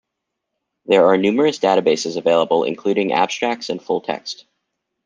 There are numerous databases available, including abstracts and full-text.